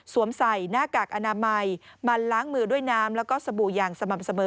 ใส่หน้ากากอนามัยมันล้างมือด้วยน้ำแล้วก็สบู่อย่างสม่ำเสมอ